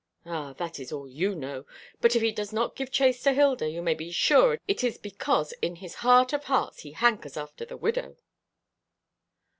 "Ah, that is all you know; but if he does not give chase to Hilda, you may be sure it is because in his heart of hearts he hankers after the widow."